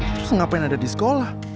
terus ngapain ada di sekolah